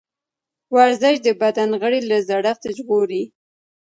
ورزش د بدن غړي له زړښت ژغوري.